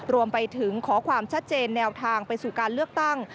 รวมไปถึงขอความชัดเจนแนวทางไปสู่การเลือกตั้ง